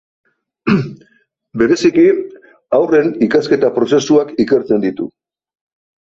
Bereziki, haurren ikasketa-prozesuak ikertzen ditu.